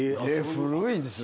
古いですね。